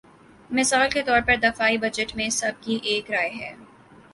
مثال کے طور پر دفاعی بجٹ میں سب کی ایک رائے ہے۔